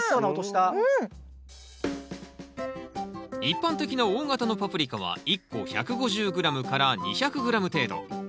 一般的な大型のパプリカは一個１５０ｇ２００ｇ程度。